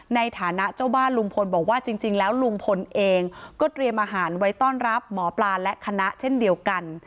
ในฐานะเจ้าบ้านลุงพลบอกว่าจริงแล้วลุงพลเองก็เตรียมอาหารไว้ต้อนรับหมอปลาและคณะเช่นเดียวกัน